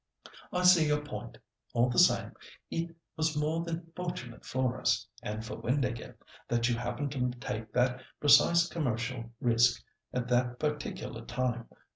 "I see your point. All the same, it was more than fortunate for us, and for Windāhgil, that you happened to take that precise commercial risk at that particular time.